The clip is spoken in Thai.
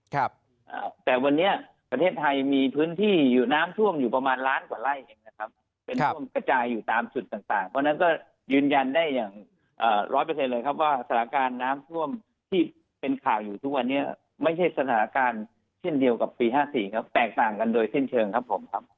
ครับอ่าแต่วันนี้ประเทศไทยมีพื้นที่อยู่น้ำท่วมอยู่ประมาณล้านกว่าไร่เองนะครับเป็นท่วมกระจายอยู่ตามจุดต่างต่างเพราะฉะนั้นก็ยืนยันได้อย่างร้อยเปอร์เซ็นเลยครับว่าสถานการณ์น้ำท่วมที่เป็นข่าวอยู่ทุกวันนี้ไม่ใช่สถานการณ์เช่นเดียวกับปีห้าสี่ครับแตกต่างกันโดยสิ้นเชิงครับผมครับ